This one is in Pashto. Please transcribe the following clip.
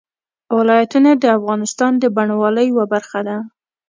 ولایتونه د افغانستان د بڼوالۍ یوه برخه ده.